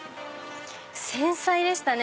繊細でしたね